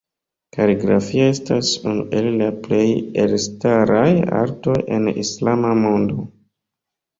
Kaligrafio estas unu el la plej elstaraj artoj en islama mondo.